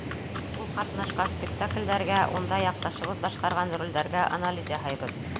Ул ҡатнашҡан спектаклдәргә, унда яҡташыбыҙ башҡарған ролдәргә анализ яһайбыҙ.